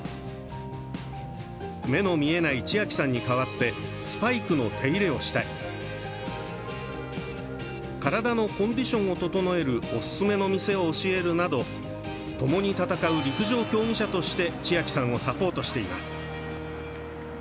目の見えない千明さんに代わってスパイクの手入れをしたり体のコンディションを整えるおすすめの店を教えるなど共に戦う陸上競技者として千明さんをサポートしています。